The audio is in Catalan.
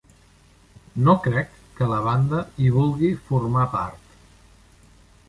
No crec que la banda hi vulgui formar part.